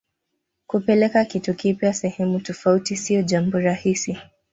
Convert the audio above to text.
kupeleka kitu kipya sehemu tofauti siyo jambo rahisi